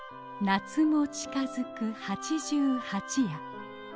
夏も近づく八十八夜。